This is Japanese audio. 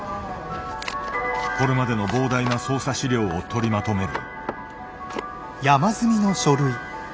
これまでの膨大な捜査資料を取りまとめる。